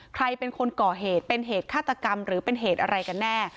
ใครเป็นคนก่อเหตุเป็นเหตุฆาตกรรมหรือเป็นเหตุอะไรกันแน่